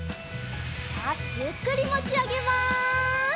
よしゆっくりもちあげます。